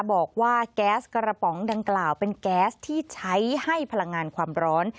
บอกว่าแก๊สกระป๋องดังกล่าวเป็นแก๊สที่ใช้ให้พลังงานความร้อน